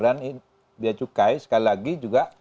dan pita cukai sekali lagi juga